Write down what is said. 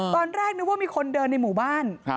ตอนแรกนึกว่ามีคนเดินในหมู่บ้าน